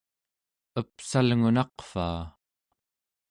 epsalngunaqvaa!